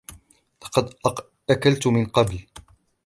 لقد أكلت من قبل.